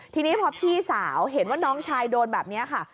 ทีนี้พอพี่สาวเห็นว่าน้องชายโดนแบบนี้ค่ะ